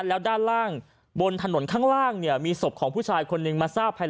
แล้วด้านล่างบนถนนข้างล่างเนี่ยมีศพของผู้ชายคนหนึ่งมาทราบภาย